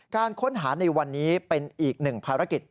การค้นหาในวันนี้เป็นอีกหนึ่งภารกิจ